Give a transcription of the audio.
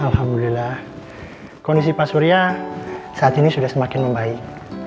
alhamdulillah kondisi pak surya saat ini sudah semakin membaik